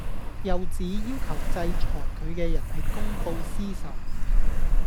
又指要求制裁佢嘅人係公報私仇